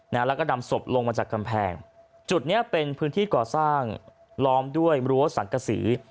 แล้วก็นำศพลงมาจากกำแพงจุดเนี้ยเป็นพื้นที่ก่อสร้างล้อมด้วยรั้วสังกษี